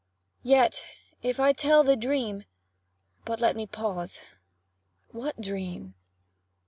Yet if I tell the dream but let me pause. What dream?